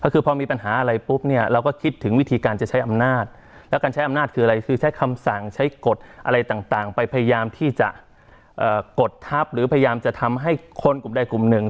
คือพอมีปัญหาอะไรปุ๊บเนี่ยเราก็คิดถึงวิธีการจะใช้อำนาจแล้วการใช้อำนาจคืออะไรคือใช้คำสั่งใช้กฎอะไรต่างไปพยายามที่จะกดทัพหรือพยายามจะทำให้คนกลุ่มใดกลุ่มหนึ่ง